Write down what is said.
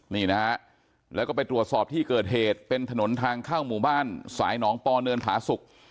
นี่นะฮะแล้วก็ไปตรวจสอบที่เกิดเหตุเป็นถนนทางเข้าหมู่บ้านสายหนองปอเนินผาสุก